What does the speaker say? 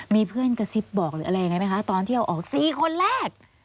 มีเพื่อนกระซิบบอกหรืออะไรตอนที่เอาออกสี่คนแรก